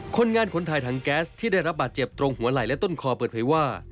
คนงานขนถ่ายถังแก๊สที่ได้รับบาดเจ็บตรงหัวไหล่และต้นคอเปิดเผยว่า